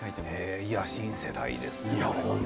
新世代ですね。